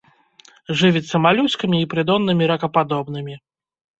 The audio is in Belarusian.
Жывіцца малюскамі і прыдоннымі ракападобнымі.